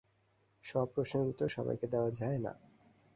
সব প্রশ্নের উত্তর সবাইকে দেয়া যায় না।